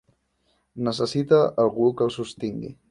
Necessita algú que el sostingui.